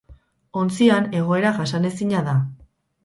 Ontzian egoera jasanezina da.